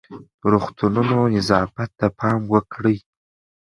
د روغتونونو نظافت ته پام وکړئ.